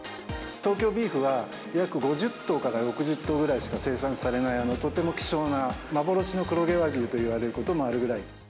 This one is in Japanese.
東京ビーフは、約５０頭から６０頭ぐらいしか生産されない、とても希少な、幻の黒毛和牛といわれることもあるぐらい。